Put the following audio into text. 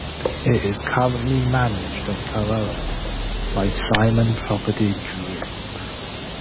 It is currently managed and co-owned by Simon Property Group.